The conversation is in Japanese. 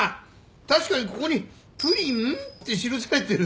確かにここに「プリン？」って記されてる。